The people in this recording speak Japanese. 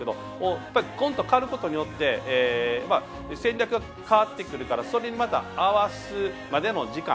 やっぱりコンと代わることによって戦略が変わってくるからそれにまた、合わすまでの時間。